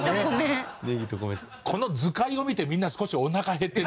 この図解を見てみんな少しおなか減ってる？